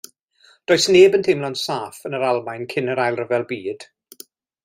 Does neb yn teimlo'n saff yn yr Almaen cyn yr Ail Ryfel Byd.